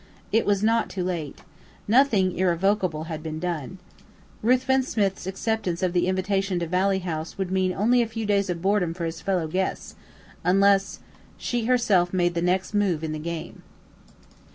It was not too late. Nothing irrevocable had been done. Ruthven Smith's acceptance of the invitation to Valley House would mean only a few days of boredom for his fellow guests, unless she herself made the next move in the game.